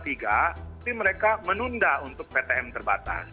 tapi mereka menunda untuk ptm terbatas